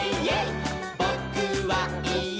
「ぼ・く・は・い・え！